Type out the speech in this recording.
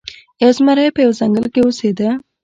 یو زمری په یوه ځنګل کې اوسیده.